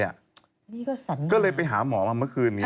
นี่ก็สัญญาอเจมส์ก็เลยไปหาหมอมาเมื่อคืน